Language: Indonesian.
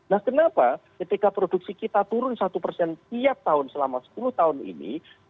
nah kenapa ketika produksi kita turun satu tiap tahun selama sepuluh tahun ini